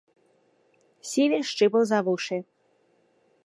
Сівер шчыпаў за вушы.